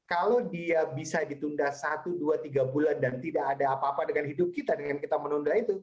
kalau dia bisa ditunda satu dua tiga bulan dan tidak ada apa apa dengan hidup kita dengan kita menunda itu